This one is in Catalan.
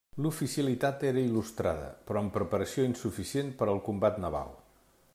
L'oficialitat era il·lustrada, però amb preparació insuficient per al combat naval.